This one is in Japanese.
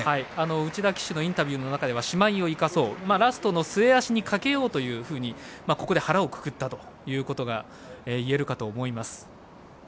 内田騎手のインタビューの中ではしまいを生かそうラストの末脚に賭けようというふうにここで腹をくくったということがいえるかと思います。